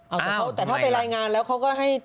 อ้าวไม่นะแต่ถ้าไปรายงานแล้วเขาก็ให้